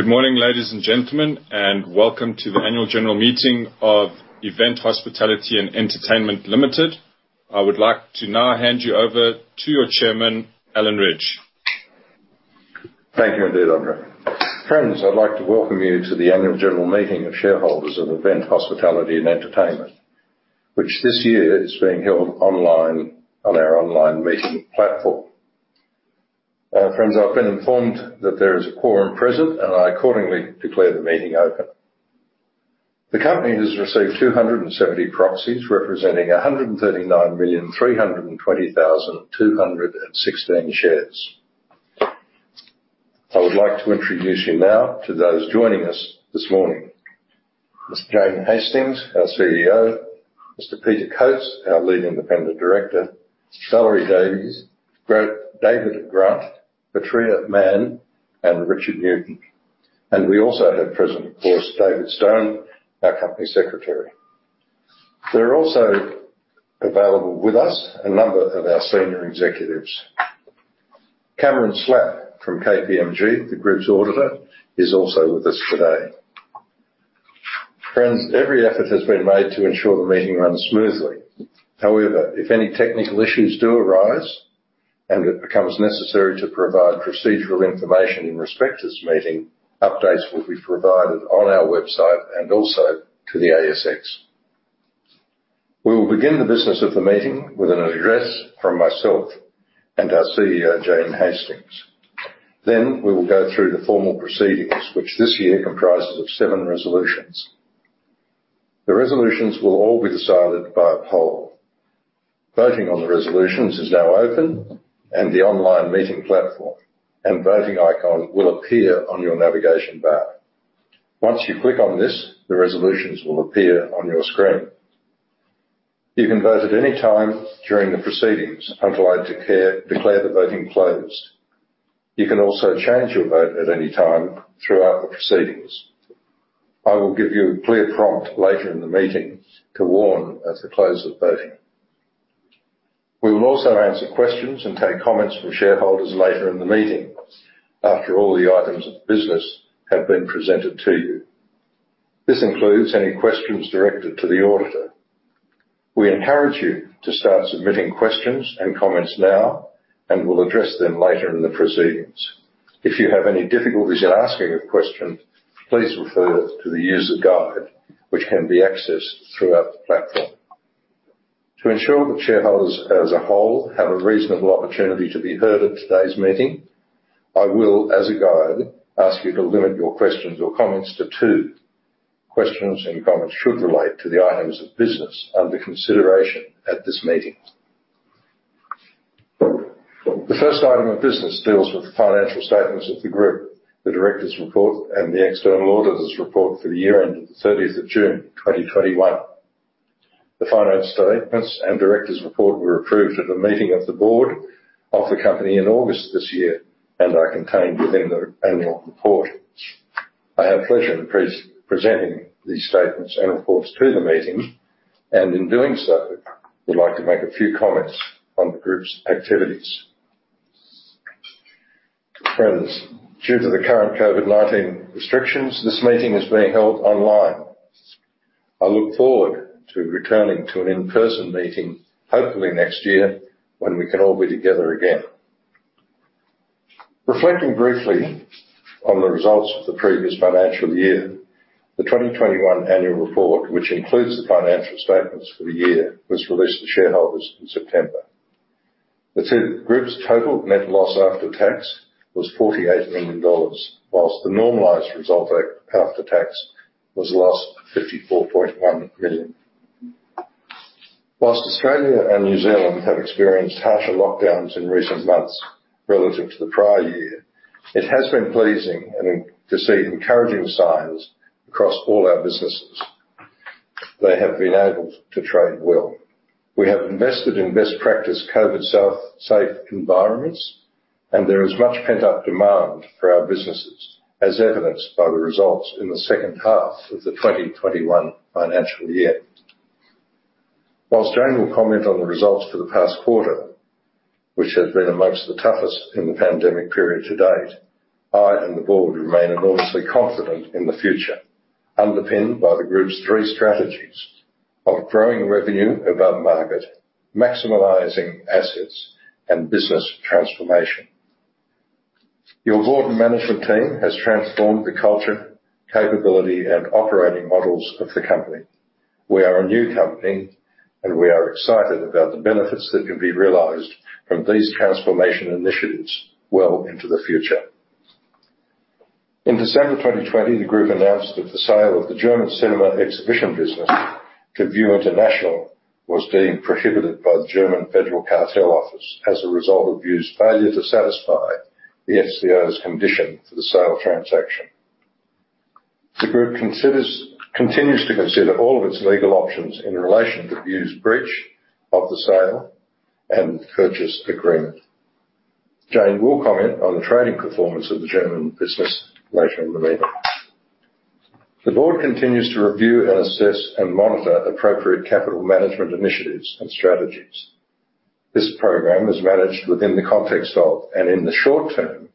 Good morning, ladies and gentlemen, and welcome to the annual general meeting of Event Hospitality & Entertainment Limited. I would like to now hand you over to your chairman, Alan Rydge. Thank you indeed, Andrew. Friends, I'd like to welcome you to the annual general meeting of shareholders of Event Hospitality & Entertainment. This year is being held online on our online meeting platform. Friends, I've been informed that there is a quorum present, and I accordingly declare the meeting open. The company has received 270 proxies representing 139,320,216 shares. I would like to introduce you now to those joining us this morning. Jane Hastings, our CEO, Peter Coates, our Lead Independent Director, Valerie Davies, David Grant, Patria Mann, and Richard Newton. We also have present, of course, David Stone, our Company Secretary. They're also available with us, a number of our senior executives. Cameron Slapp from KPMG, the group's auditor, is also with us today. If any technical issues do arise, and it becomes necessary to provide procedural information in respect to this meeting, updates will be provided on our website and also to the ASX. We will begin the business of the meeting with an address from myself and our CEO, Jane Hastings. We will go through the formal proceedings, which this year comprises of 7 resolutions. The resolutions will all be decided via poll. Voting on the resolutions is now open, and the online meeting platform and voting icon will appear on your navigation bar. Once you click on this, the resolutions will appear on your screen. You can vote at any time during the proceedings until I declare the voting closed. You can also change your vote at any time throughout the proceedings. I will give you a clear prompt later in the meeting to warn as the close of voting. We will also answer questions and take comments from shareholders later in the meeting after all the items of business have been presented to you. This includes any questions directed to the auditor. We encourage you to start submitting questions and comments now, and we'll address them later in the proceedings. If you have any difficulties in asking a question, please refer to the user guide, which can be accessed throughout the platform. To ensure that shareholders as a whole have a reasonable opportunity to be heard at today's meeting, I will, as a guide, ask you to limit your questions or comments to two. Questions and comments should relate to the items of business under consideration at this meeting. The first item of business deals with the financial statements of the group, the director's report, and the external auditor's report for the year end of June 30, 2021. The finance statements and director's report were approved at a meeting of the board of the company in August this year and are contained within the annual report. I have pleasure in presenting these statements and reports to the meeting, in doing so, would like to make a few comments on the group's activities. Friends, due to the current COVID-19 restrictions, this meeting is being held online. I look forward to returning to an in-person meeting, hopefully next year, when we can all be together again. Reflecting briefly on the results of the previous financial year, the 2021 annual report, which includes the financial statements for the year, was released to shareholders in September. The group's total net loss after tax was 48 million dollars, whilst the normalized result after tax was a loss of 54.1 million. Australia and New Zealand have experienced harsher lockdowns in recent months relative to the prior year, it has been pleasing to see encouraging signs across all our businesses. They have been able to trade well. We have invested in best practice COVID-safe environments, and there is much pent-up demand for our businesses, as evidenced by the results in the second half of the 2021 financial year. Jane will comment on the results for the past quarter, which has been amongst the toughest in the pandemic period to date, I and the Board remain enormously confident in the future, underpinned by the group's 3 strategies of growing revenue above market, maximizing assets, and business transformation. Your board and management team has transformed the culture, capability, and operating models of the company. We are a new company, and we are excited about the benefits that can be realized from these transformation initiatives well into the future. In December 2020, the group announced that the sale of the German cinema exhibition business to Vue International was being prohibited by the German Federal Cartel Office as a result of Vue's failure to satisfy the FCO's condition for the sale transaction. The group continues to consider all of its legal options in relation to Vue's breach of the sale and purchase agreement. Jane will comment on the trading performance of the German business later in the meeting. The board continues to review and assess and monitor appropriate capital management initiatives and strategies. This program is managed within the context of, and in the short term,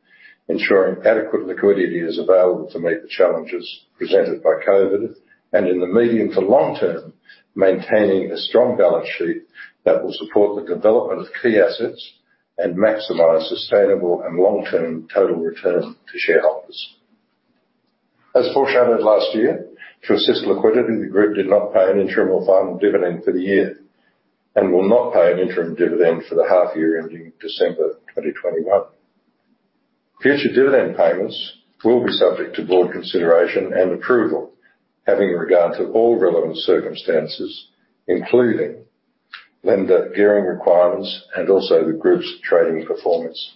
ensuring adequate liquidity is available to meet the challenges presented by COVID-19, and in the medium to long term, maintaining a strong balance sheet that will support the development of key assets and maximize sustainable and long-term total return to shareholders. As foreshadowed last year, to assist liquidity, the group did not pay an interim or final dividend for the year, and will not pay an interim dividend for the half year ending December 2021. Future dividend payments will be subject to board consideration and approval, having regard to all relevant circumstances, including lender gearing requirements and also the group's trading performance.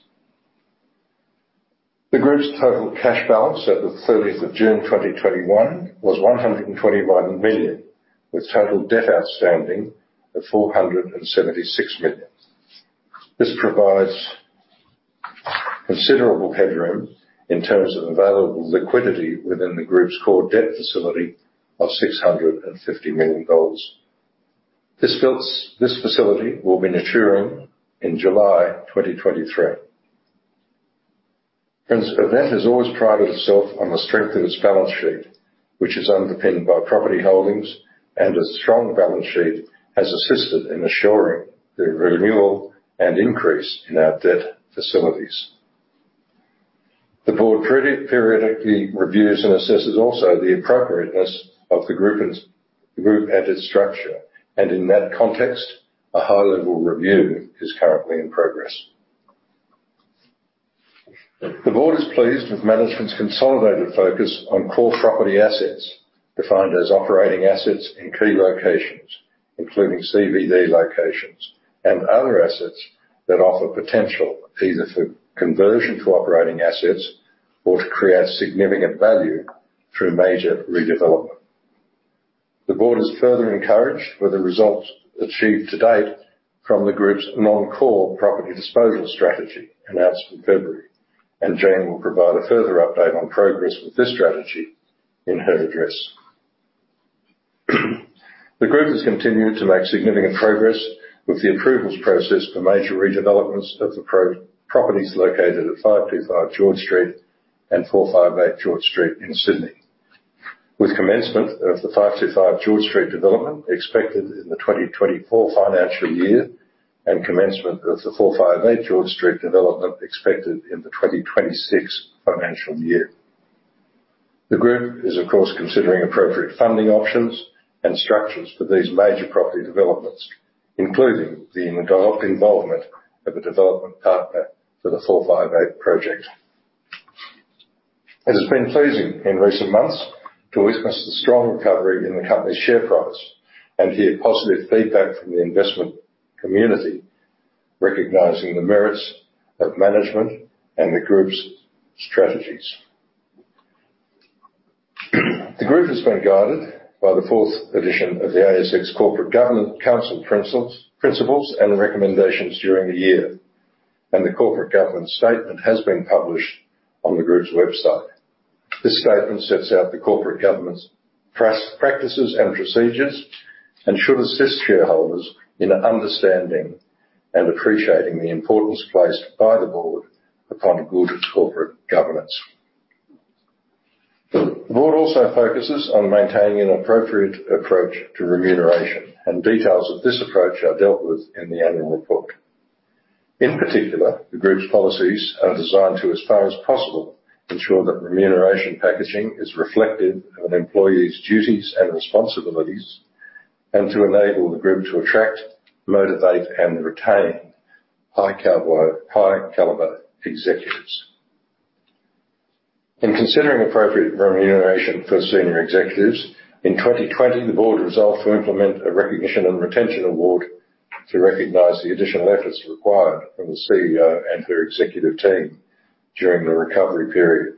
The group's total cash balance at the 30th of June 2021 was 121 million, with total debt outstanding of 476 million. This provides considerable headroom in terms of available liquidity within the group's core debt facility of 650 million dollars. This facility will be maturing in July 2023. Friends, EVT has always prided itself on the strength of its balance sheet, which is underpinned by property holdings, and a strong balance sheet has assisted in assuring the renewal and increase in our debt facilities. The board periodically reviews and assesses also the appropriateness of the group and its structure, and in that context, a high-level review is currently in progress. The board is pleased with management's consolidated focus on core property assets, defined as operating assets in key locations, including CBD locations, and other assets that offer potential either for conversion to operating assets or to create significant value through major redevelopment. The board is further encouraged by the results achieved to date from the group's non-core property disposal strategy announced in February, and Jane will provide a further update on progress with this strategy in her address. The group has continued to make significant progress with the approvals process for major redevelopments of the properties located at 525 George Street and 458 George Street in Sydney. With commencement of the 525 George Street development expected in the 2024 financial year, and commencement of the 458 George Street development expected in the 2026 financial year. The group is of course considering appropriate funding options and structures for these major property developments, including the involvement of a development partner for the 458 project. It has been pleasing in recent months to witness the strong recovery in the company's share price and hear positive feedback from the investment community recognizing the merits of management and the group's strategies. The group has been guided by the fourth edition of the ASX Corporate Governance Council Principles and Recommendations during the year, and the corporate governance statement has been published on the group's website. This statement sets out the corporate governance practices and procedures, and should assist shareholders in understanding and appreciating the importance placed by the board upon good corporate governance. The board also focuses on maintaining an appropriate approach to remuneration, and details of this approach are dealt with in the annual report. In particular, the group's policies are designed to, as far as possible, ensure that remuneration packaging is reflective of an employee's duties and responsibilities, and to enable the group to attract, motivate, and retain high caliber executives. In considering appropriate remuneration for senior executives, in 2020, the board resolved to implement a recognition and retention award to recognize the additional efforts required from the CEO and her executive team during the recovery period,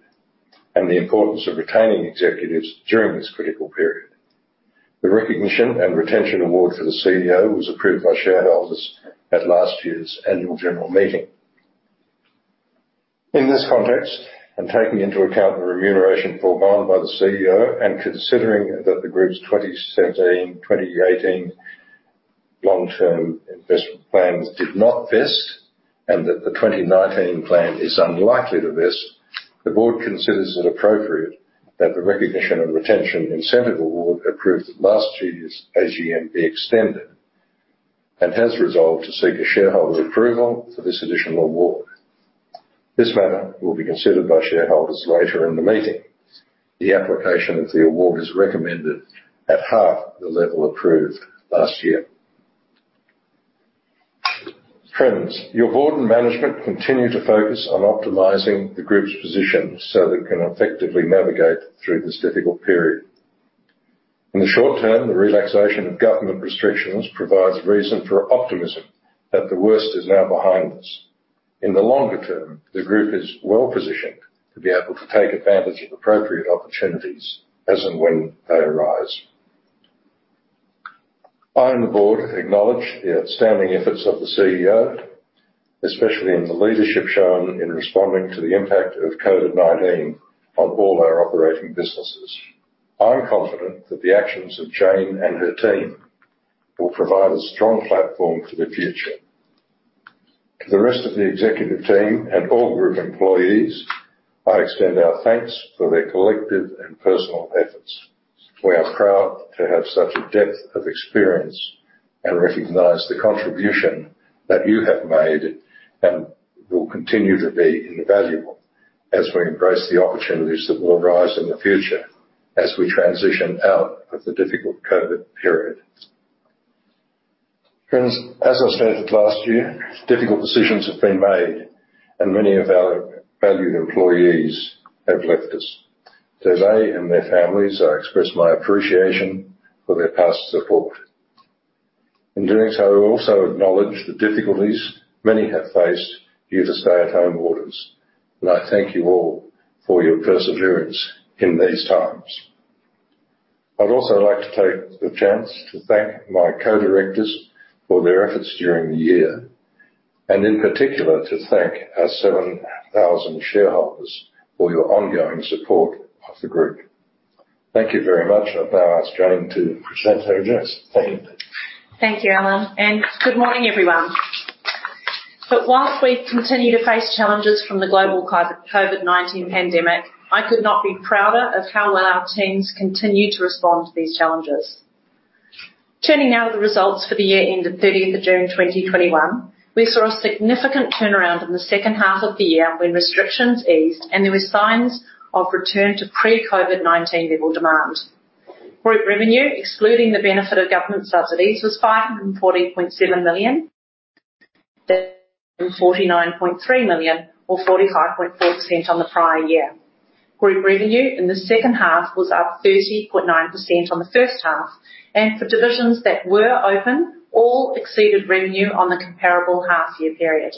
and the importance of retaining executives during this critical period. The recognition and retention award for the CEO was approved by shareholders at last year's annual general meeting. In this context, and taking into account the remuneration foregone by the CEO, and considering that the group's 2017/2018 long-term incentive plans did not vest, and that the 2019 plan is unlikely to vest, the board considers it appropriate that the Recognition and Retention Incentive Award approved at last year's AGM be extended, and has resolved to seek a shareholder approval for this additional award. This matter will be considered by shareholders later in the meeting. The application of the award is recommended at half the level approved last year. Friends, your board and management continue to focus on optimizing the group's position so that we can effectively navigate through this difficult period. In the short term, the relaxation of government restrictions provides reason for optimism that the worst is now behind us. In the longer term, the group is well-positioned to be able to take advantage of appropriate opportunities as and when they arise. I and the board acknowledge the outstanding efforts of the CEO, especially in the leadership shown in responding to the impact of COVID-19 on all our operating businesses. I'm confident that the actions of Jane and her team will provide a strong platform for the future. To the rest of the executive team and all group employees, I extend our thanks for their collective and personal efforts. We are proud to have such a depth of experience and recognize the contribution that you have made and will continue to be invaluable as we embrace the opportunities that will arise in the future as we transition out of the difficult COVID period. Friends, as I stated last year, difficult decisions have been made, and many of our valued employees have left us. To they and their families, I express my appreciation for their past support. In doing so, we also acknowledge the difficulties many have faced due to stay-at-home orders, and I thank you all for your perseverance in these times. I'd also like to take the chance to thank my co-directors for their efforts during the year, and in particular, to thank our 7,000 shareholders for your ongoing support of the group. Thank you very much. I'll now ask Jane to present her address. Thank you. Thank you, Alan. Good morning, everyone. Whilst we continue to face challenges from the global COVID-19 pandemic, I could not be prouder of how well our teams continue to respond to these challenges. Turning now to the results for the year ending 30th of June 2021, we saw a significant turnaround in the second half of the year when restrictions eased, and there were signs of return to pre-COVID-19 level demand. Group revenue, excluding the benefit of government subsidies, was 540.7 million, down 449.3 million, or 45.4% on the prior year. Group revenue in the second half was up 30.9% on the first half, and for divisions that were open, all exceeded revenue on the comparable half-year period.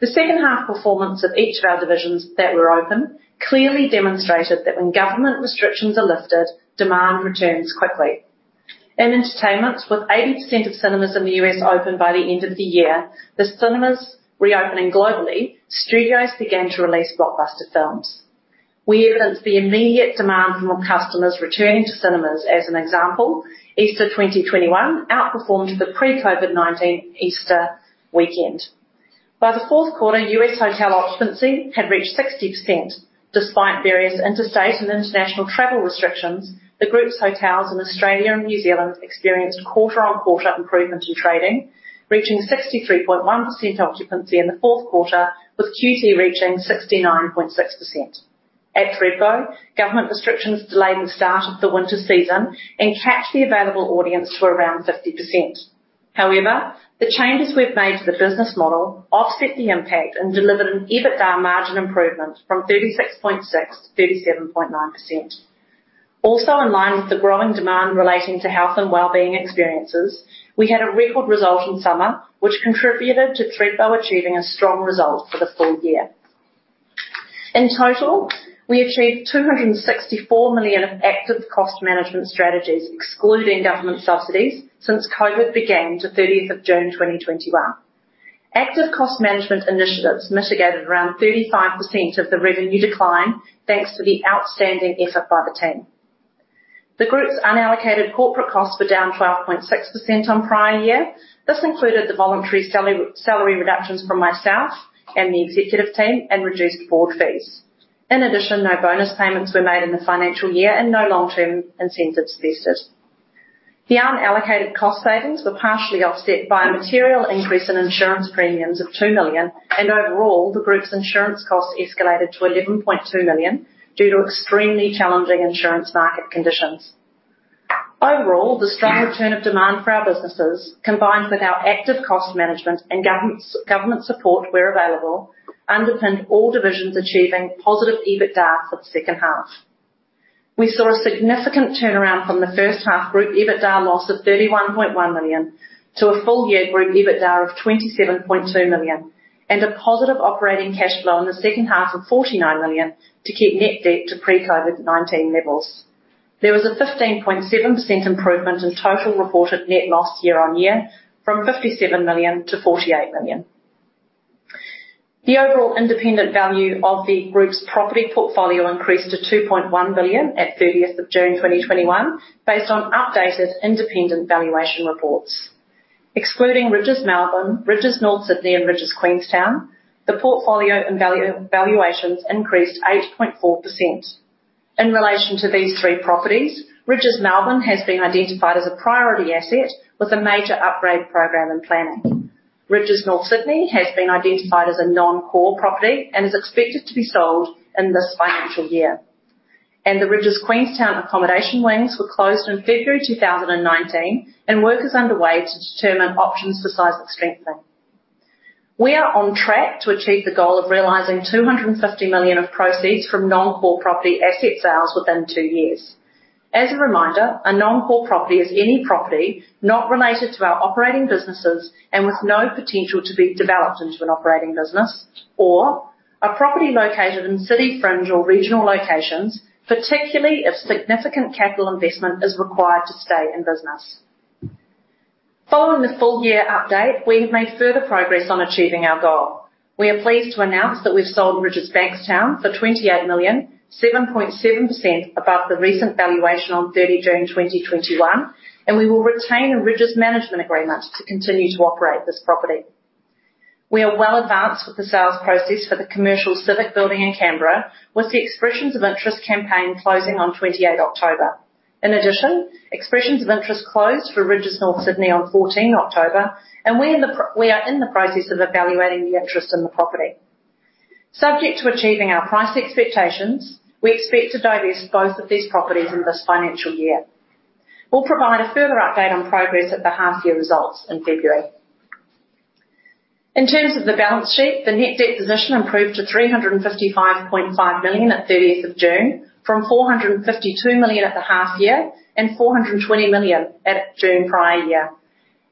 The second half performance of each of our divisions that were open clearly demonstrated that when government restrictions are lifted, demand returns quickly. In entertainment, with 80% of cinemas in the U.S. open by the end of the year, with cinemas reopening globally, studios began to release blockbuster films. We evidenced the immediate demand from customers returning to cinemas. As an example, Easter 2021 outperformed the pre-COVID-19 Easter weekend. By the fourth quarter, U.S. hotel occupancy had reached 60%. Despite various interstate and international travel restrictions, the group's hotels in Australia and New Zealand experienced quarter-on-quarter improvement in trading, reaching 63.1% occupancy in the fourth quarter, with QT reaching 69.6%. At Thredbo, government restrictions delayed the start of the winter season and capped the available audience to around 50%. The changes we've made to the business model offset the impact and delivered an EBITDA margin improvement from 36.6%-37.9%. In line with the growing demand relating to health and wellbeing experiences, we had a record result in summer, which contributed to Thredbo achieving a strong result for the full year. In total, we achieved 264 million of active cost management strategies, excluding government subsidies, since COVID-19 began to 30th of June 2021. Active cost management initiatives mitigated around 35% of the revenue decline, thanks to the outstanding effort by the team. The group's unallocated corporate costs were down 12.6% on prior year. This included the voluntary salary reductions from myself and the executive team and reduced board fees. In addition, no bonus payments were made in the financial year and no long-term incentives vested. The unallocated cost savings were partially offset by a material increase in insurance premiums of 2 million, and overall, the group's insurance costs escalated to 11.2 million due to extremely challenging insurance market conditions. Overall, the strong return of demand for our businesses, combined with our active cost management and government support where available, underpinned all divisions achieving positive EBITDA for the second half. We saw a significant turnaround from the first half group EBITDA loss of 31.1 million to a full-year group EBITDA of 27.2 million and a positive operating cash flow in the second half of 49 million to keep net debt to pre-COVID-19 levels. There was a 15.7% improvement in total reported net loss year-on-year from 57 million-48 million. The overall independent value of the group's property portfolio increased to 2.1 billion at 30th of June 2021, based on updated independent valuation reports. Excluding Rydges Melbourne, Rydges North Sydney, and Rydges Queenstown, the portfolio valuations increased 8.4%. In relation to these three properties, Rydges Melbourne has been identified as a priority asset with a major upgrade program in planning. Rydges North Sydney has been identified as a non-core property and is expected to be sold in this financial year. The Rydges Queenstown accommodation wings were closed in February 2019, and work is underway to determine options for seismic strengthening. We are on track to achieve the goal of realizing 250 million of proceeds from non-core property asset sales within two years. As a reminder, a non-core property is any property not related to our operating businesses and with no potential to be developed into an operating business or a property located in city fringe or regional locations, particularly if significant capital investment is required to stay in business. Following the full year update, we have made further progress on achieving our goal. We are pleased to announce that we've sold Rydges Bankstown for 28 million, 7.7% above the recent valuation on 30 June 2021, and we will retain a Rydges management agreement to continue to operate this property. We are well advanced with the sales process for the commercial civic building in Canberra, with the expressions of interest campaign closing on 28th October. In addition, expressions of interest closed for Rydges North Sydney on 14 October, and we are in the process of evaluating the interest in the property. Subject to achieving our price expectations, we expect to divest both of these properties in this financial year. We'll provide a further update on progress at the half year results in February. In terms of the balance sheet, the net debt position improved to 355.5 million at 30th of June from 452 million at the half year and 420 million at June prior year.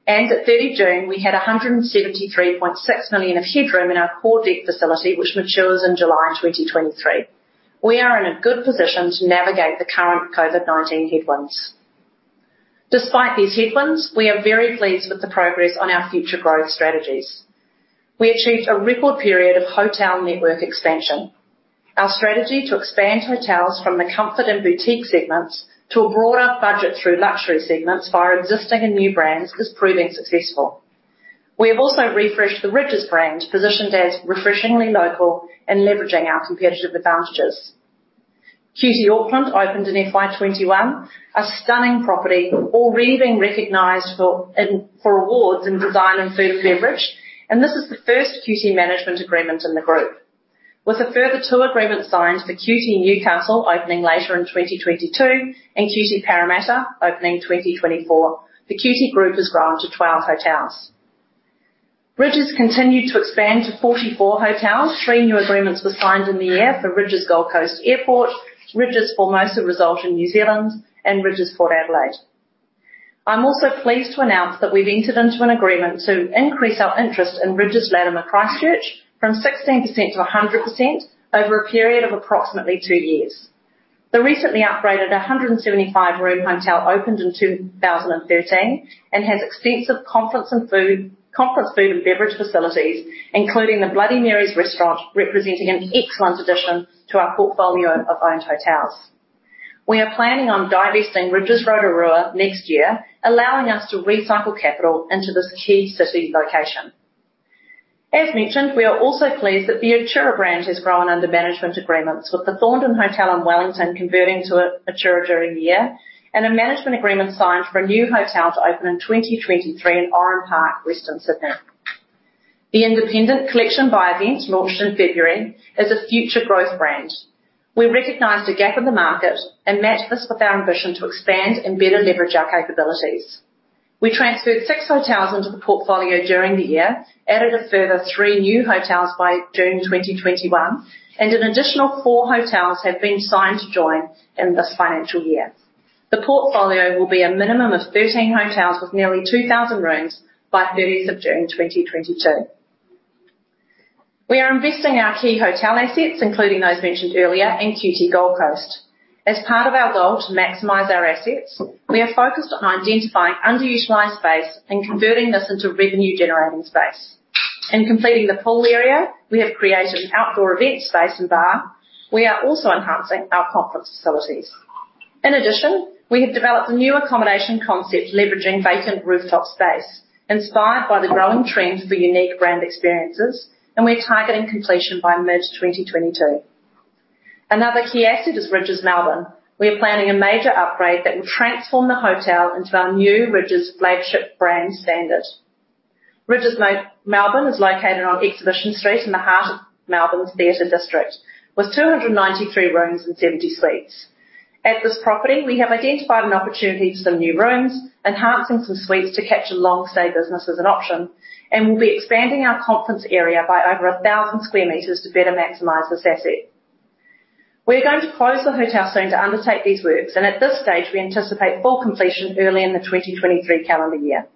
At 30 June, we had 173.6 million of headroom in our core debt facility, which matures in July 2023. We are in a good position to navigate the current COVID-19 headwinds. Despite these headwinds, we are very pleased with the progress on our future growth strategies. We achieved a record period of hotel network expansion. Our strategy to expand hotels from the comfort and boutique segments to a broader budget through luxury segments via existing and new brands is proving successful. We have also refreshed the Rydges brand, positioned as refreshingly local and leveraging our competitive advantages. QT Auckland opened in FY 2021, a stunning property already being recognized for awards in design and food and beverage. This is the first QT management agreement in the group. With a further two agreements signed for QT Newcastle opening later in 2022 and QT Parramatta opening 2024, the QT group has grown to 12 hotels. Rydges continued to expand to 44 hotels. Three new agreements were signed in the year for Rydges Gold Coast Airport, Rydges Formosa Golf Resort in New Zealand, and Rydges Port Adelaide. I am also pleased to announce that we have entered into an agreement to increase our interest in Rydges Latimer Christchurch from 16% to 100% over a period of approximately two years. The recently upgraded 175-room hotel opened in 2013 and has extensive conference food and beverage facilities, including the Bloody Mary's restaurant, representing an excellent addition to our portfolio of owned hotels. We are planning on divesting Rydges Rotorua next year, allowing us to recycle capital into this key city location. As mentioned, we are also pleased that the Atura brand has grown under management agreements with The Thorndon Hotel in Wellington converting to Atura during the year and a management agreement signed for a new hotel to open in 2023 in Oran Park, Western Sydney. The Independent Collection by EVT, launched in February, is a future growth brand. We recognized a gap in the market and matched this with our ambition to expand and better leverage our capabilities. We transferred six hotels into the portfolio during the year, added a further three new hotels by June 2021, and an additional four hotels have been signed to join in this financial year. The portfolio will be a minimum of 13 hotels with nearly 2,000 rooms by 30th of June 2022. We are investing our key hotel assets, including those mentioned earlier, and QT Gold Coast. As part of our goal to maximize our assets, we are focused on identifying underutilized space and converting this into revenue generating space. In completing the pool area, we have created an outdoor event space and bar. We are also enhancing our conference facilities. In addition, we have developed a new accommodation concept leveraging vacant rooftop space, inspired by the growing trends for unique brand experiences, and we're targeting completion by mid-2022. Another key asset is Rydges Melbourne. We are planning a major upgrade that will transform the hotel into our new Rydges flagship brand standard. Rydges Melbourne is located on Exhibition Street in the heart of Melbourne's theater district, with 293 rooms and 70 suites. At this property, we have identified an opportunity for some new rooms, enhancing some suites to capture long stay business as an option, and we'll be expanding our conference area by over 1,000 sq m to better maximize this asset. We are going to close the hotel soon to undertake these works, and at this stage, we anticipate full completion early in the 2023 calendar year.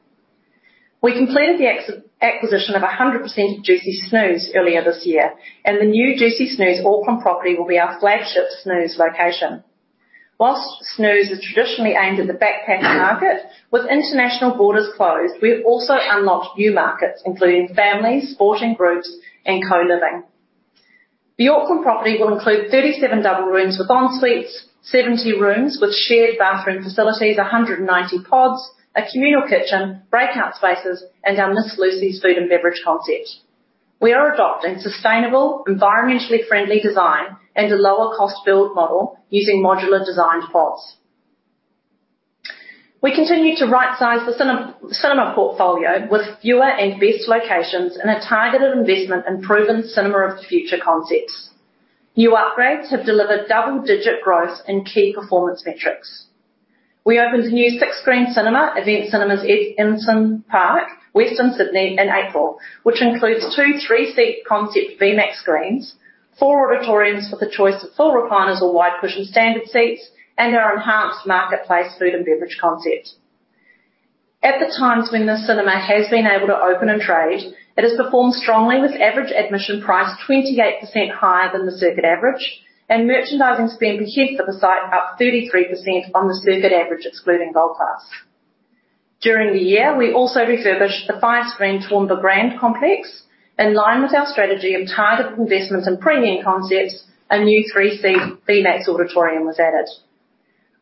We completed the acquisition of 100% of JUCY Snooze earlier this year, and the new JUCY Snooze Auckland property will be our flagship Snooze location. Whilst Snooze is traditionally aimed at the backpack market, with international borders closed, we've also unlocked new markets including families, sporting groups, and co-living. The Auckland property will include 37 double rooms with ensuites, 70 rooms with shared bathroom facilities, 190 pods, a communal kitchen, breakout spaces, and our Miss Lucy's food and beverage concept. We are adopting sustainable, environmentally friendly design and a lower cost build model using modular designed pods. We continue to right-size the cinema portfolio with fewer and best locations and a targeted investment in proven cinema of the future concepts. New upgrades have delivered double-digit growth in key performance metrics. We opened a new 6-screen cinema, Event Cinemas Oran Park, Western Sydney in April, which includes 2 three-seat concept V-Max screens, 4 auditoriums with the choice of full recliners or wide-cushion standard seats, and our enhanced marketplace food and beverage concept. At the times when the cinema has been able to open and trade, it has performed strongly with average admission price 28% higher than the circuit average and merchandising spend per head for the site up 33% on the circuit average, excluding Gold Class. During the year, we also refurbished a 5-screen Toowoomba Grand Central. In line with our strategy of targeted investments and premium concepts, a new 3-seat VMAX auditorium was added.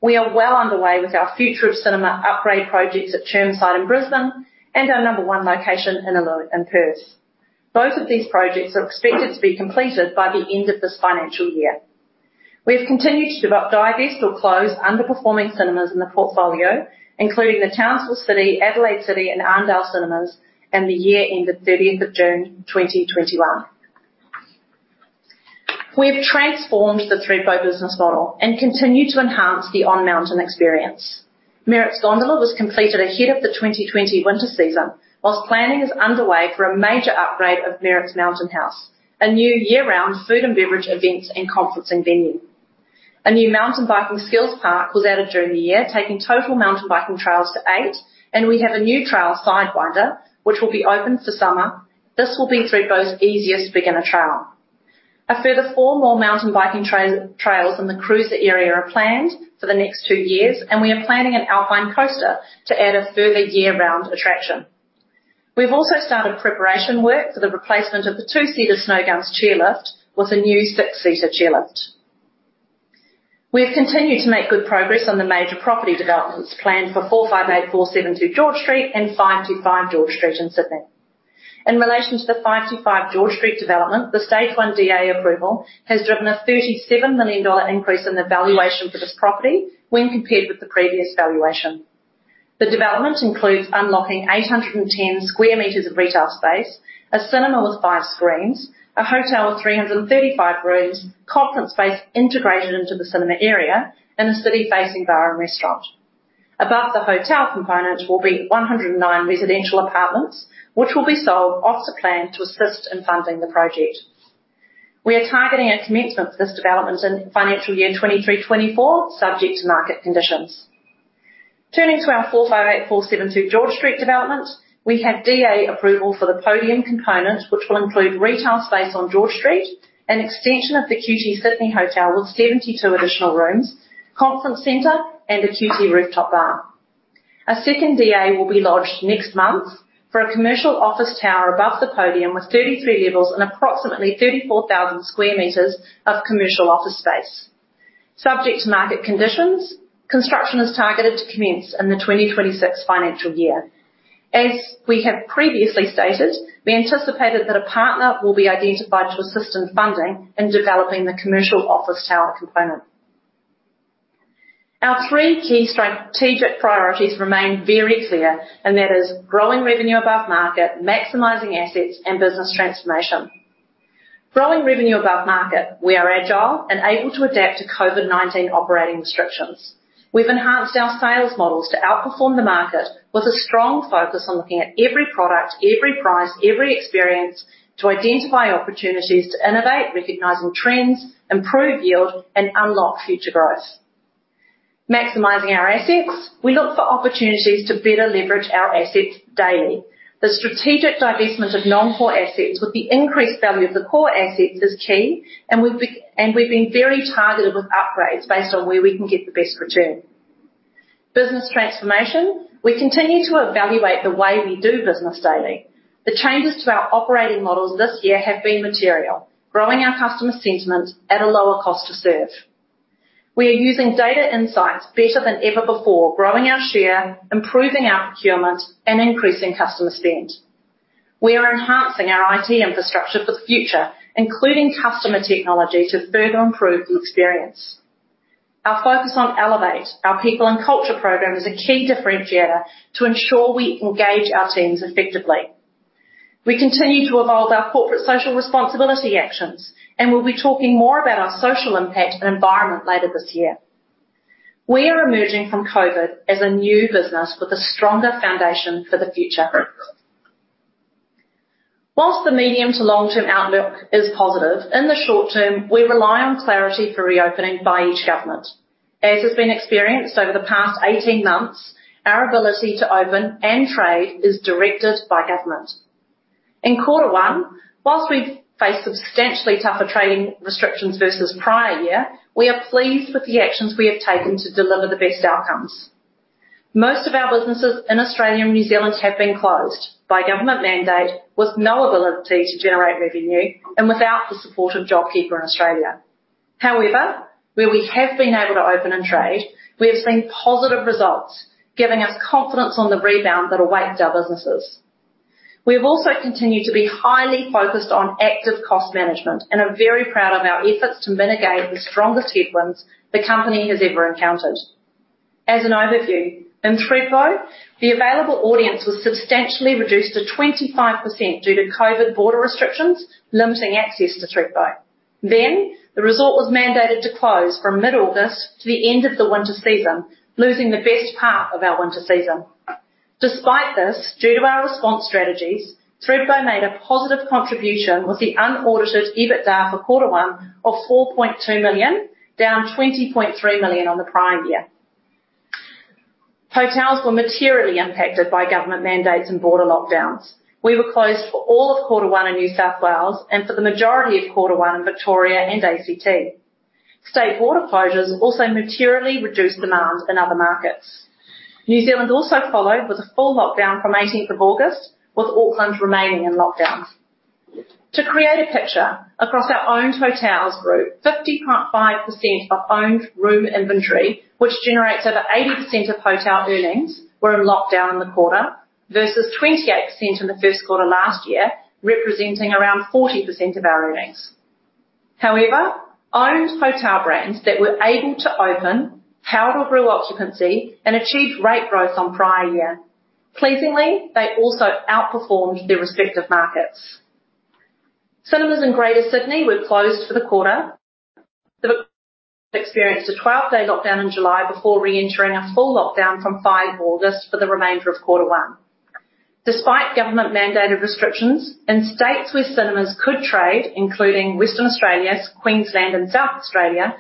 We are well underway with our future of cinema upgrade projects at Chermside in Brisbane and our number 1 location in Innaloo in Perth. Both of these projects are expected to be completed by the end of this financial year. We've continued to divest or close underperforming cinemas in the portfolio, including the Townsville City, Adelaide City, and Arndale Cinemas in the year end of 30th of June 2021. We've transformed the Thredbo business model and continue to enhance the on-mountain experience. Merritts Gondola was completed ahead of the 2020 winter season, whilst planning is underway for a major upgrade of Merritts Mountain House, a new year-round food and beverage events and conferencing venue. A new mountain biking skills park was added during the year, taking total mountain biking trails to 8, and we have a new trail, Sidewinder, which will be open for summer. This will be Thredbo's easiest beginner trail. A further 4 more mountain biking trails in the Cruiser area are planned for the next 2 years, and we are planning an alpine coaster to add a further year-round attraction. We've also started preparation work for the replacement of the 2-seater Snowgums chairlift with a new 6-seater chairlift. We've continued to make good progress on the major property developments planned for 458-472 George Street and 525 George Street in Sydney. In relation to the 525 George Street development, the stage 1 DA approval has driven an 37 million dollar increase in the valuation for this property when compared with the previous valuation. The development includes unlocking 810 sq m of retail space, a cinema with 5 screens, a hotel with 335 rooms, conference space integrated into the cinema area, and a city-facing bar and restaurant. Above the hotel component will be 109 residential apartments, which will be sold off the plan to assist in funding the project. We are targeting a commencement for this development in FY 2023/2024, subject to market conditions. Turning to our 458-472 George Street development, we have DA approval for the podium component, which will include retail space on George Street, an extension of the QT Sydney Hotel with 72 additional rooms, conference center, and a QT rooftop bar. A second DA will be lodged next month for a commercial office tower above the podium with 33 levels and approximately 34,000 sq m of commercial office space. Subject to market conditions, construction is targeted to commence in the 2026 financial year. As we have previously stated, we anticipated that a partner will be identified to assist in funding in developing the commercial office tower component. Our three key strategic priorities remain very clear, and that is growing revenue above market, maximizing assets, and business transformation. Growing revenue above market, we are agile and able to adapt to COVID-19 operating restrictions. We've enhanced our sales models to outperform the market with a strong focus on looking at every product, every price, every experience to identify opportunities to innovate, recognizing trends, improve yield, and unlock future growth. Maximizing our assets, we look for opportunities to better leverage our assets daily. The strategic divestment of non-core assets with the increased value of the core assets is key, and we've been very targeted with upgrades based on where we can get the best return. Business transformation, we continue to evaluate the way we do business daily. The changes to our operating models this year have been material, growing our customer sentiment at a lower cost to serve. We are using data insights better than ever before, growing our share, improving our procurement, and increasing customer spend. We are enhancing our IT infrastructure for the future, including customer technology, to further improve the experience. Our focus on Elevate, our people and culture program, is a key differentiator to ensure we engage our teams effectively. We continue to evolve our corporate social responsibility actions, and we'll be talking more about our social impact and environment later this year. We are emerging from COVID-19 as a new business with a stronger foundation for the future. Whilst the medium to long-term outlook is positive, in the short term, we rely on clarity for reopening by each government. As has been experienced over the past 18 months, our ability to open and trade is directed by government. In quarter 1, whilst we face substantially tougher trading restrictions versus prior year, we are pleased with the actions we have taken to deliver the best outcomes. Most of our businesses in Australia and New Zealand have been closed by government mandate with no ability to generate revenue and without the support of JobKeeper in Australia. However, where we have been able to open and trade, we have seen positive results, giving us confidence on the rebound that awaits our businesses. We've also continued to be highly focused on active cost management and are very proud of our efforts to mitigate the strongest headwinds the company has ever encountered. As an overview, in Thredbo, the available audience was substantially reduced to 25% due to COVID border restrictions limiting access to Thredbo. The resort was mandated to close from mid-August to the end of the winter season, losing the best part of our winter season. Despite this, due to our response strategies, Thredbo made a positive contribution with the unaudited EBITDA for quarter 1 of 4.2 million, down 20.3 million on the prior year. Hotels were materially impacted by government mandates and border lockdowns. We were closed for all of quarter 1 in New South Wales and for the majority of quarter 1 in Victoria and ACT. State border closures also materially reduced demands in other markets. New Zealand also followed with a full lockdown from 18th of August, with Auckland remaining in lockdown. To create a picture, across our owned hotels group, 50.5% of owned room inventory, which generates over 80% of hotel earnings, were on lockdown in the quarter, versus 28% in the first quarter last year, representing around 40% of our earnings. However, owned hotel brands that were able to open held or grew occupancy and achieved rate growth on prior year. Pleasingly, they also outperformed their respective markets. Cinemas in greater Sydney were closed for the quarter. They experienced a 12-day lockdown in July before re-entering a full lockdown from 5 August for the remainder of quarter one. Despite government mandated restrictions, in states where cinemas could trade, including Western Australia, Queensland and South Australia,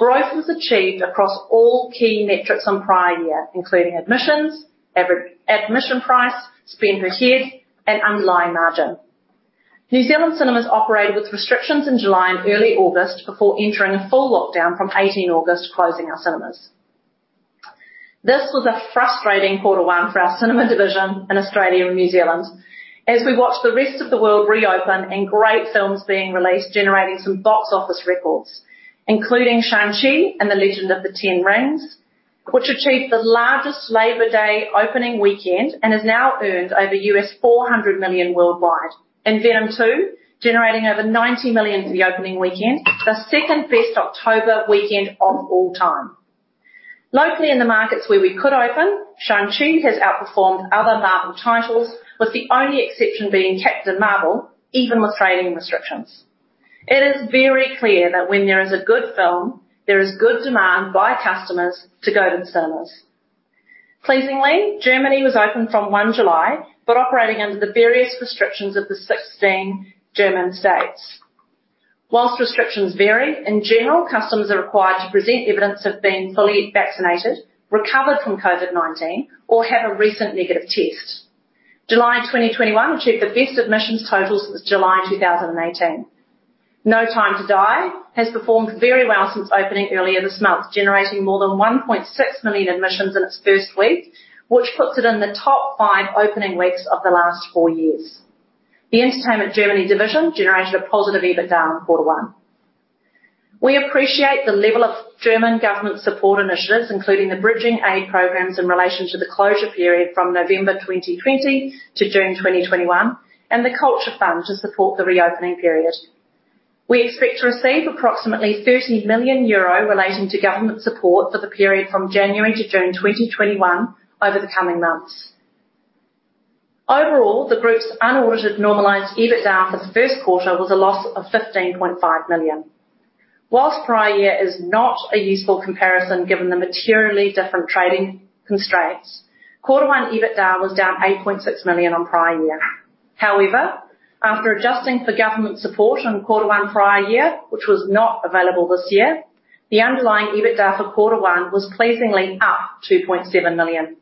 growth was achieved across all key metrics on prior year, including admissions, average admission price, spend per head, and underlying margin. New Zealand cinemas operated with restrictions in July and early August before entering a full lockdown from 18 August, closing our cinemas. This was a frustrating quarter 1 for our cinema division in Australia and New Zealand as we watched the rest of the world reopen and great films being released, generating some box office records, including "Shang-Chi and the Legend of the Ten Rings," which achieved the largest Labor Day opening weekend and has now earned over $400 million worldwide. "Venom 2" generating over $90 million for the opening weekend, the 2nd best October weekend of all time. Locally, in the markets where we could open, Shang-Chi has outperformed other Marvel titles, with the only exception being Captain Marvel, even with trading restrictions. It is very clear that when there is a good film, there is good demand by customers to go to the cinemas. Pleasingly, Germany was open from 1 July, but operating under the various restrictions of the 16 German states. Whilst restrictions vary, in general, customers are required to present evidence of being fully vaccinated, recovered from COVID-19, or have a recent negative test. July 2021 achieved the best admissions total since July 2018. No Time to Die has performed very well since opening earlier this month, generating more than 1.6 million admissions in its first week, which puts it in the top five opening weeks of the last four years. The Entertainment Germany division generated a positive EBITDA in quarter one. We appreciate the level of German government support initiatives, including the bridging aid programs in relation to the closure period from November 2020 to June 2021, and the culture fund to support the reopening period. We expect to receive approximately €30 million relating to government support for the period from January to June 2021 over the coming months. Overall, the group's unaudited normalized EBITDA for the first quarter was a loss of 15.5 million. Whilst prior year is not a useful comparison, given the materially different trading constraints, quarter one EBITDA was down 8.6 million on prior year. However, after adjusting for government support in quarter one prior year, which was not available this year, the underlying EBITDA for quarter one was pleasingly up 2.7 million.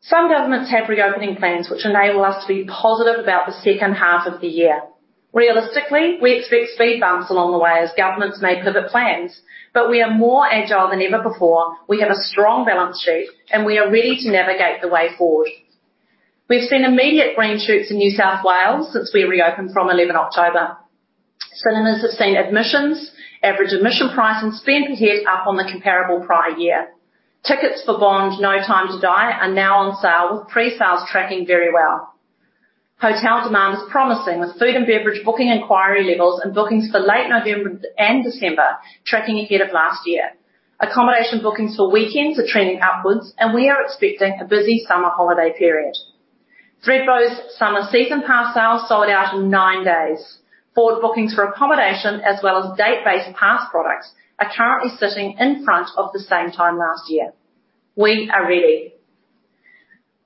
Some governments have reopening plans which enable us to be positive about the second half of the year. Realistically, we expect speed bumps along the way as governments may pivot plans, but we are more agile than ever before. We have a strong balance sheet, and we are ready to navigate the way forward. We've seen immediate green shoots in New South Wales since we reopened from 11 October. Cinemas have seen admissions, average admission price, and spend per head up on the comparable prior year. Tickets for "Bond: No Time to Die" are now on sale, with pre-sales tracking very well. Hotel demand is promising, with food and beverage booking inquiry levels and bookings for late November and December tracking ahead of last year. Accommodation bookings for weekends are trending upwards, and we are expecting a busy summer holiday period. Thredbo's summer season pass sales sold out in nine days. Forward bookings for accommodation as well as date-based pass products are currently sitting in front of the same time last year. We are ready.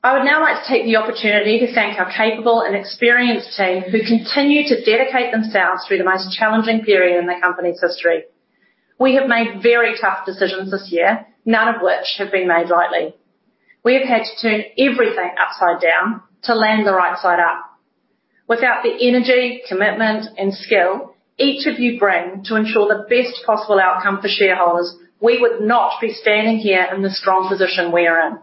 I would now like to take the opportunity to thank our capable and experienced team who continue to dedicate themselves through the most challenging period in the company's history. We have made very tough decisions this year, none of which have been made lightly. We have had to turn everything upside down to land the right side up. Without the energy, commitment, and skill each of you bring to ensure the best possible outcome for shareholders, we would not be standing here in the strong position we are in.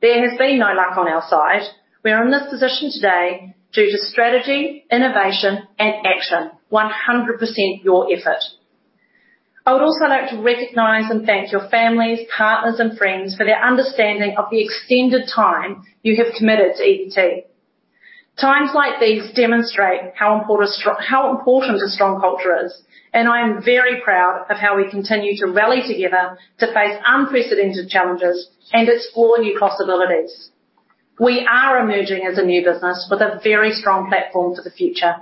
There has been no luck on our side. We are in this position today due to strategy, innovation, and action. 100% your effort. I would also like to recognize and thank your families, partners, and friends for their understanding of the extended time you have committed to EVT. I am very proud of how we continue to rally together to face unprecedented challenges and explore new possibilities. We are emerging as a new business with a very strong platform for the future.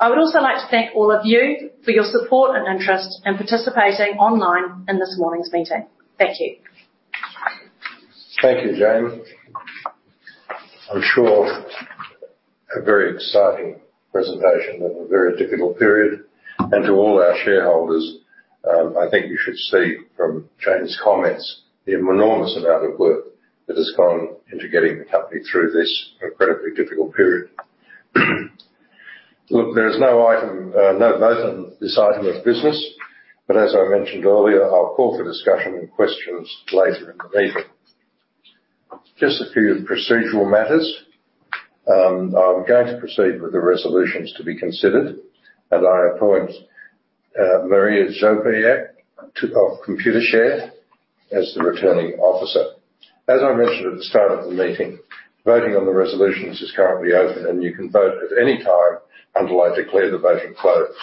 I would also like to thank all of you for your support and interest in participating online in this morning's meeting. Thank you. Thank you, Jane. I'm sure a very exciting presentation of a very difficult period. To all our shareholders, I think you should see from Jane's comments the enormous amount of work that has gone into getting the company through this incredibly difficult period. Look, there is no vote on this item of business. As I mentioned earlier, I'll call for discussion and questions later in the meeting. Just a few procedural matters. I'm going to proceed with the resolutions to be considered, and I appoint Maria Joubert of Computershare as the Returning Officer. As I mentioned at the start of the meeting, voting on the resolutions is currently open, and you can vote at any time until I declare the voting closed.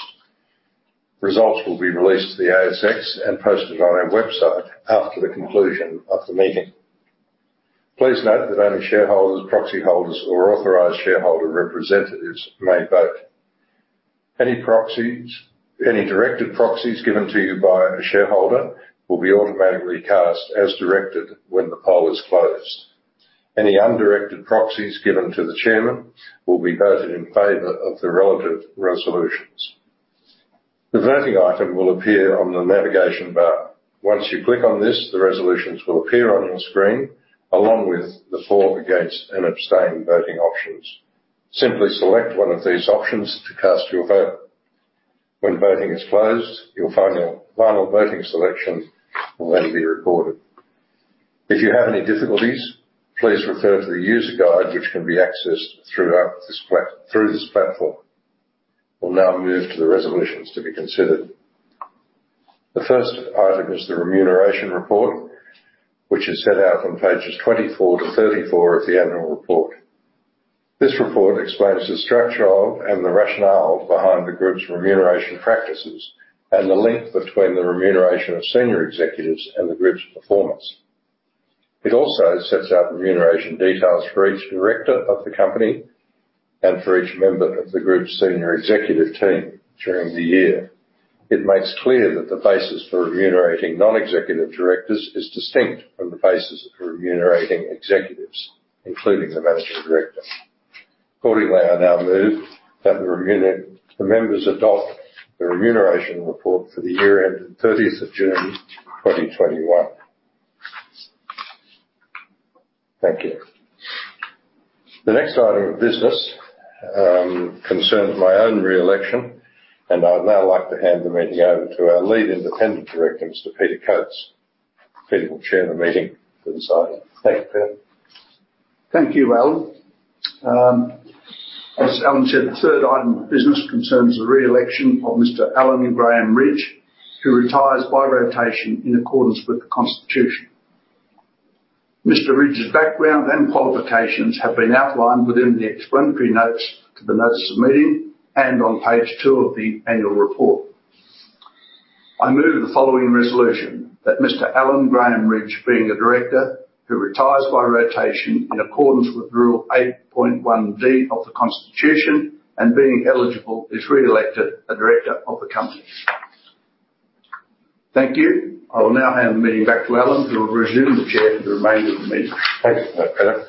Results will be released to the ASX and posted on our website after the conclusion of the meeting. Please note that only shareholders, proxy holders, or authorized shareholder representatives may vote. Any directed proxies given to you by a shareholder will be automatically cast as directed when the poll is closed. Any undirected proxies given to the Chairman will be voted in favor of the relevant resolutions. The voting item will appear on the navigation bar. Once you click on this, the resolutions will appear on your screen, along with the For, Against, and Abstain voting options. Simply select one of these options to cast your vote. When voting is closed, your final voting selection will then be recorded. If you have any difficulties, please refer to the user guide, which can be accessed through this platform. We'll now move to the resolutions to be considered. The first item is the Remuneration Report, which is set out on pages 24-34 of the annual report. This report explains the structure of and the rationale behind the group's remuneration practices and the link between the remuneration of senior executives and the group's performance. It also sets out remuneration details for each director of the company and for each member of the group's senior executive team during the year. It makes clear that the basis for remunerating non-executive directors is distinct from the basis for remunerating executives, including the managing director. Accordingly, I now move that the members adopt the Remuneration Report for the year ended 30th of June 2021. Thank you. The next item of business concerns my own re-election, and I would now like to hand the meeting over to our Lead Independent Director, Mr. Peter Coates. Peter will chair the meeting for this item. Thank you, Peter. Thank you, Alan. As Alan said, the third item of business concerns the re-election of Mr Alan Ibrahim Rydge, who retires by rotation in accordance with the constitution. Mr Rydge's background and qualifications have been outlined within the explanatory notes to the notice of meeting and on page 2 of the annual report. I move the following resolution: That Mr Alan Rydge, being a director who retires by rotation in accordance with Rule 8.1D of the constitution and being eligible, is re-elected a director of the company. Thank you. I will now hand the meeting back to Alan, who will resume the chair for the remainder of the meeting. Thank you for that, Peter.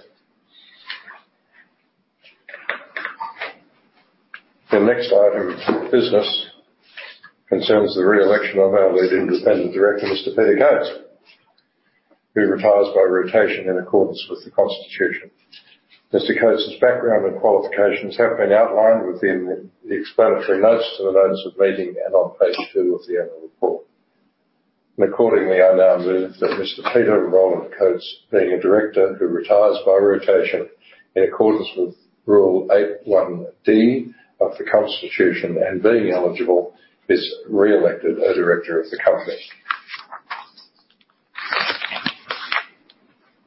The next item of business concerns the re-election of our lead independent director, Mr Peter Coates, who retires by rotation in accordance with the constitution. Mr Coates' background and qualifications have been outlined within the explanatory notes to the notice of meeting and on page 2 of the annual report. Accordingly, I now move that Mr Peter Roland Coates, being a director who retires by rotation in accordance with Rule 8.1D of the constitution and being eligible, is re-elected a director of the company.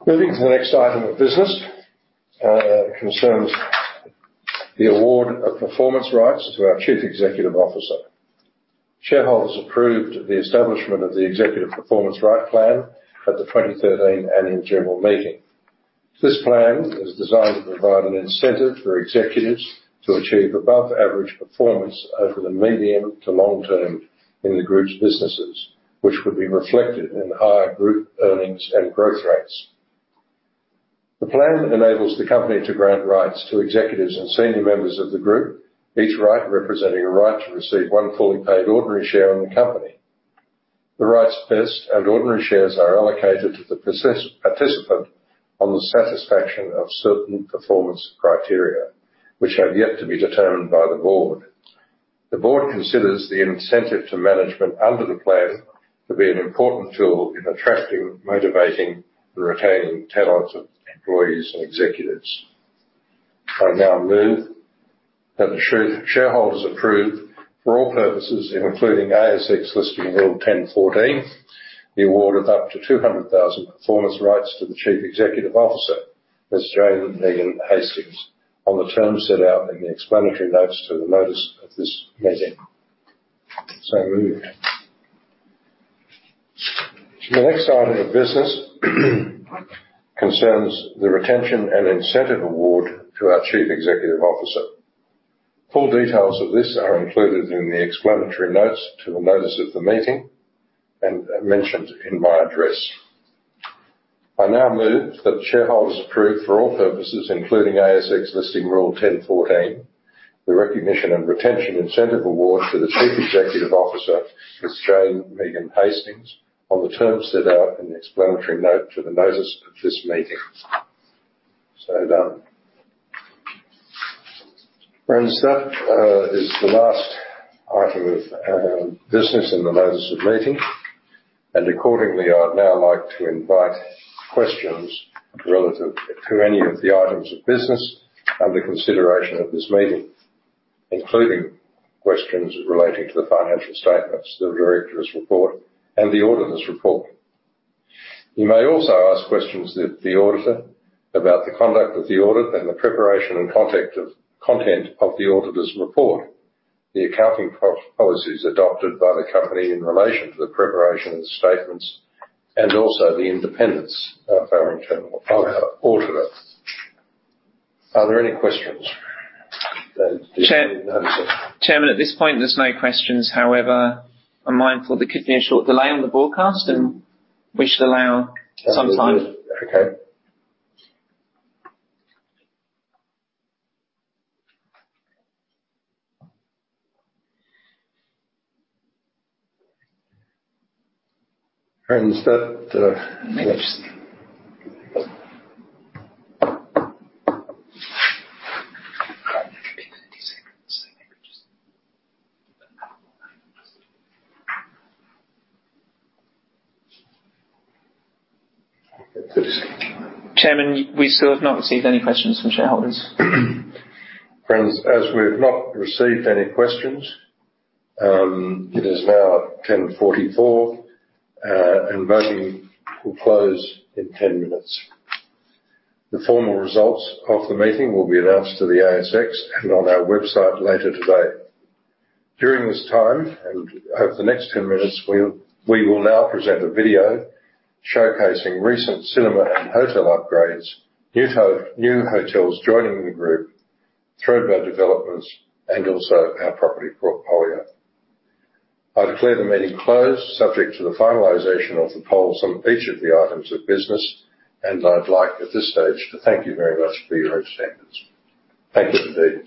Moving to the next item of business, concerns the award of performance rights to our chief executive officer. Shareholders approved the establishment of the Executive Performance Right Plan at the 2013 annual general meeting. This plan is designed to provide an incentive for executives to achieve above-average performance over the medium to long term in the group's businesses, which would be reflected in higher group earnings and growth rates. The plan enables the company to grant rights to executives and senior members of the group, each right representing a right to receive 1 fully paid ordinary share in the company. The rights vest and ordinary shares are allocated to the participant on the satisfaction of certain performance criteria, which have yet to be determined by the Board. The Board considers the incentive to management under the plan to be an important tool in attracting, motivating, and retaining talented employees and executives. I now move that the shareholders approve for all purposes, including ASX Listing Rule 10.14, the award of up to 200,000 performance rights to the Chief Executive Officer, Ms Jane Megan Hastings, on the terms set out in the explanatory notes to the notice of this meeting. So moved. The next item of business concerns the retention and incentive award to our Chief Executive Officer. Full details of this are included in the explanatory notes to the notice of the meeting and mentioned in my address. I now move that shareholders approve for all purposes, including ASX Listing Rule 10.14, the recognition and retention incentive award to the Chief Executive Officer, Ms. Jane Megan Hastings, on the terms set out in the explanatory note to the notice of this meeting. So done. Friends, that is the last item of business in the notice of meeting, and accordingly, I'd now like to invite questions relative to any of the items of business under consideration at this meeting, including questions relating to the financial statements, the directors' report, and the auditor's report. You may also ask questions to the auditor about the conduct of the audit and the preparation and content of the auditor's report, the accounting policies adopted by the company in relation to the preparation of the statements, and also the independence of our internal auditor. Are there any questions? Chairman, at this point there's no questions. I'm mindful there could be a short delay on the broadcast, and we should allow some time. Okay. Friends, that, Chairman, we still have not received any questions from shareholders. Friends, as we've not received any questions, it is now 10:44 A.M., voting will close in 10 minutes. The formal results of the meeting will be announced to the ASX and on our website later today. During this time, over the next 10 minutes, we will now present a video showcasing recent cinema and hotel upgrades, new hotels joining the group, Thredbo developments, and also our property portfolio. I declare the meeting closed subject to the finalization of the polls on each of the items of business, I'd like at this stage to thank you very much for your attendance. Thank you indeed.